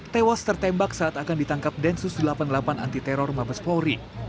tewas tertembak saat akan ditangkap densus delapan puluh delapan anti teror mabes polri